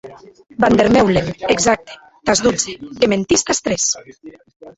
Van der Meulen, exacte, tàs dotze, que mentís tàs tres.